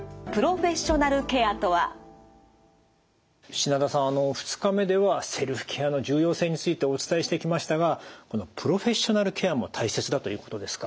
品田さんあの２日目ではセルフケアの重要性についてお伝えしてきましたがこのプロフェッショナルケアも大切だということですか。